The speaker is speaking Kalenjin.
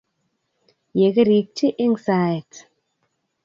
Ye kirikyi eng' saet